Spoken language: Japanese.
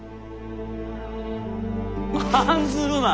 案ずるな。